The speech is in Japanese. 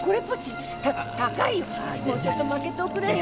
もうちょっとまけておくれよ！